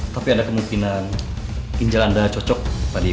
tapi ada kemungkinan ginjal anda cocok padiku